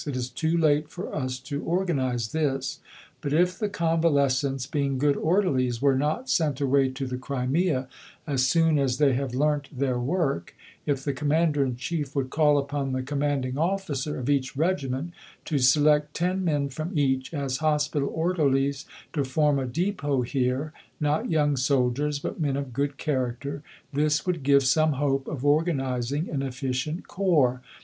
It is too late for us to organize this. But if the convalescents, being good Orderlies, were not sent away to the Crimea as soon as they have learnt their work if the Commander in Chief would call upon the Commanding Officer of each Regiment to select ten men from each as Hospital Orderlies to form a depot here (not young soldiers, but men of good character), this would give some hope of organizing an efficient corps.